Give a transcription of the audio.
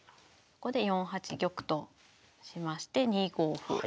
ここで４八玉としまして２五歩。